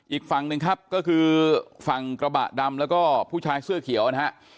อีกฝั่งหนึ่งครับก็คือฝั่งกระบะดำแล้วก็ผู้ชายเสื้อเขียวนะฮะ